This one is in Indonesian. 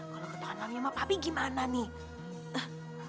kalau ketahuan lamanya sama papi gimana nih